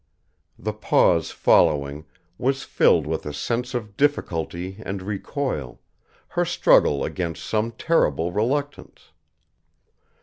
The pause following was filled with a sense of difficulty and recoil, her struggle against some terrible reluctance.